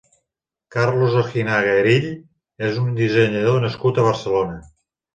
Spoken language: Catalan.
Carlos Ojinaga Erill és un dissenyador nascut a Barcelona.